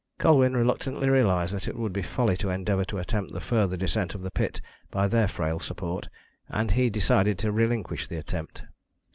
Colwyn reluctantly realised that it would be folly to endeavour to attempt the further descent of the pit by their frail support, and he decided to relinquish the attempt.